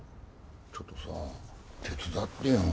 ちょっとさ手伝ってよ。